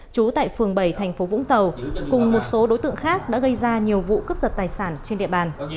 trú tại phường bảy thành phố vũng tàu cùng một số đối tượng khác đã gây ra nhiều vụ cướp giật tài sản trên địa bàn